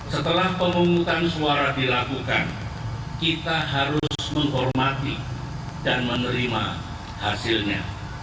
setelah pemungutan suara dilakukan kita harus menghormati dan menerima hasilnya